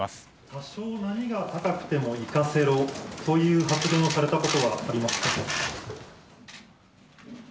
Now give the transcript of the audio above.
多少波が高くてもいかせろという発言をされたことはありますか？